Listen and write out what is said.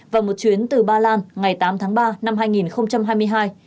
và một chuyến từ ba lan ngày tám tháng ba năm hai nghìn hai mươi hai